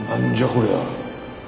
こりゃ。